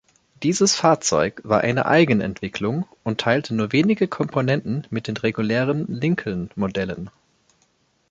Dieses Fahrzeug war eine Eigenentwicklung und teilte nur wenige Komponenten mit den regulären Lincoln-Modellen.